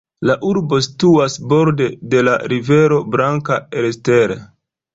La urbo situas borde de la rivero Blanka Elster.